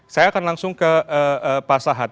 saya akan langsung ke pak sahat